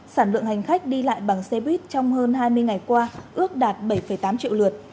sản lượng hành khách đi lại bằng xe buýt trong hơn hai mươi ngày qua ước đạt bảy tám triệu lượt